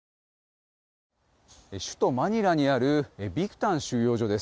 首都マニラにあるビクタン収容所です。